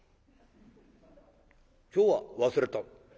「今日は忘れた」。